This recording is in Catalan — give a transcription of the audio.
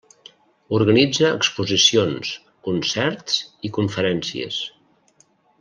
Organitza exposicions, concerts i conferències.